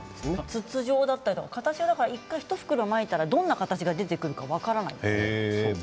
筒状だったりとか一度まいたら、どんな形が出てくるか分からないんです。